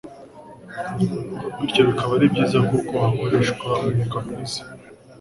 bityo bikaba ari byiza kuko hakoreshwa umwuka mwiza